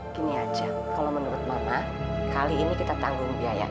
gini aja kalau menurut bapak kali ini kita tanggung biayanya